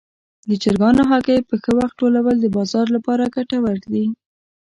د چرګانو هګۍ په ښه وخت ټولول د بازار لپاره ګټور دي.